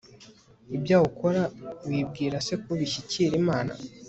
ibyaha ukora wibwira se ko bishyikira imana